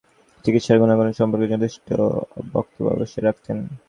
তিনি প্রথমদিকে অ্যালোপ্যাথিক চিকিৎসার গুণাগুণ সম্পর্কে যুক্তিনিষ্ঠ বক্তব্য অবশ্যই রাখতেন।